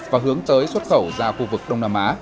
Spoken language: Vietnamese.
và hướng tới xuất khẩu ra khu vực đông nam á